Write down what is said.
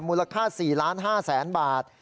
มูลค่า๔๕๐๐๐๐บาท